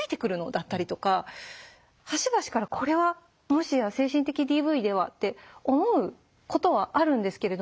だったりとか端々からこれはもしや精神的ＤＶでは？って思うことはあるんですけれども。